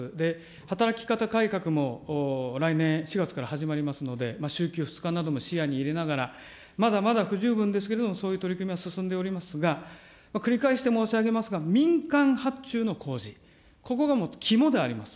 働き方改革も来年４月から始まりますので、週休２日なども視野に入れながら、まだまだ不十分ですけれども、そういう取り組みは進んでおりますが、繰り返して申し上げますが、民間発注の工事、ここはもう肝であります。